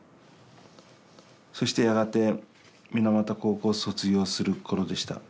そしてやがて水俣高校を卒業する頃でした。